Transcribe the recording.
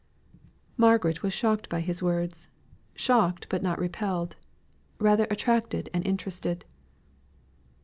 Margaret was shocked by his words shocked but not repelled; rather attracted and interested.